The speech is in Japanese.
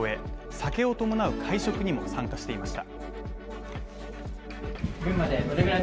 酒を伴う会食にも参加していました。